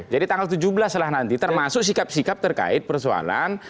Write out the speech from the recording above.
jadi tanggal tujuh belas setelah nanti termasuk sikap sikap terkait persoalan